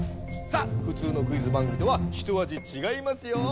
さあふつうのクイズ番組とはひとあじちがいますよ。